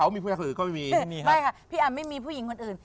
ไม่ค่ะพี่อำไม่มีผู้หญิงคนอื่น